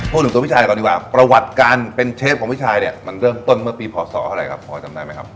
พูดถึงตัวพี่ชายก่อนดีกว่าประวัติการเป็นเชฟของพี่ชายเนี่ยมันเริ่มต้นเมื่อปีพศเท่าไหร่ครับพอจำได้ไหมครับ